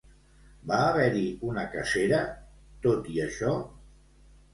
Va haver-hi una cacera, tot i això?